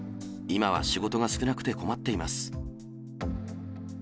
今は仕事が少なくて困っています。